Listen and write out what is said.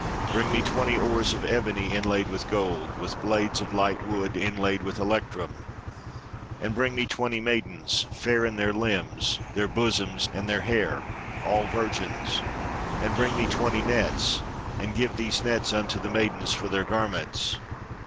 Bring me twenty oars of ebony inlaid with gold, with blades of light wood, inlaid with electrum; and bring me twenty maidens, fair in their limbs, their bosoms, and their hair, all virgins; and bring me twenty nets, and give these nets xmto the maid ens for their garments.'